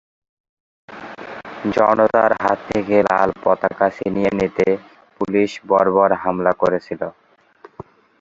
জনতার হাত থেকে লাল পতাকা ছিনিয়ে নিতে পুলিশ বর্বর হামলা করেছিলো।